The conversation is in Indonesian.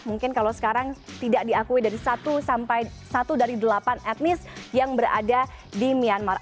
mungkin kalau sekarang tidak diakui dari satu sampai satu dari delapan etnis yang berada di myanmar